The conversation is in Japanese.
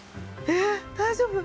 ええっ大丈夫？